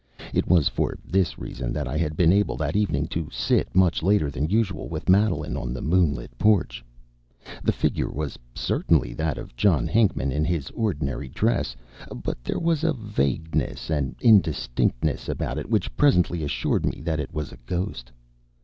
It was for this reason that I had been able that evening to sit much later than usual with Madeline on the moonlit porch. The figure was certainly that of John Hinckman in his ordinary dress, but there was a vagueness and indistinctness about it which presently assured me that it was a ghost.